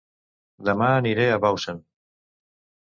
Dema aniré a Bausen